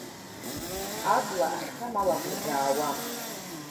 Абла ахьҭам алаӷырӡ аауам.